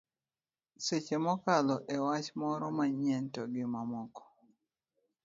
seche mokalo e wach moro manyien to gi mamoko